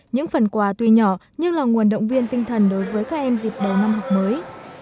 những phần quà tuy nhỏ nhưng là nguồn động viên tinh thần đối với các em dịp đầu năm học mới